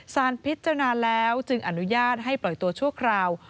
สารพิจารณาแล้วจึงอนุญาตให้ปล่อยตัวชั่วคราว